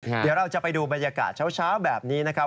เดี๋ยวเราจะไปดูบรรยากาศเช้าแบบนี้นะครับ